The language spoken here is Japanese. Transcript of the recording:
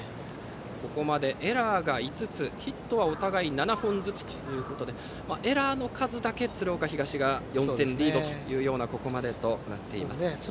ここまでエラーは５つヒットはお互い７本ずつでエラーの数だけ鶴岡東が４点リードというここまでとなっています。